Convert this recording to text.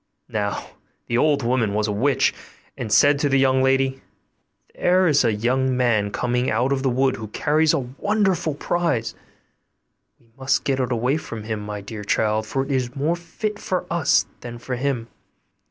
Now the old woman was a witch, and said to the young lady, 'There is a young man coming out of the wood who carries a wonderful prize; we must get it away from him, my dear child, for it is more fit for us than for him.